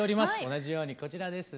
同じようにこちらです。